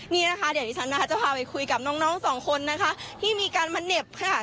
นี่นะคะเดี๋ยวที่ฉันนะคะจะพาไปคุยกับน้องสองคนนะคะที่มีการมาเหน็บค่ะ